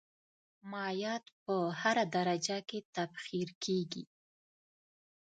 مایعات په هره درجه کې تبخیر کیږي.